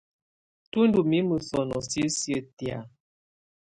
Tù ndù mimǝ sɔnɔ̀ sisiǝ́ tɛ̀á.